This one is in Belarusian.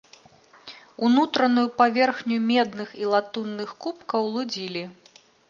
Унутраную паверхню медных і латунных кубкаў лудзілі.